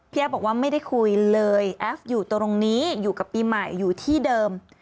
แอฟบอกว่าไม่ได้คุยเลยแอฟอยู่ตรงนี้อยู่กับปีใหม่อยู่ที่เดิม